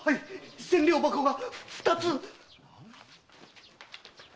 千両箱が二つ！